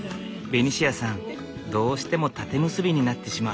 ベニシアさんどうしても縦結びになってしまう。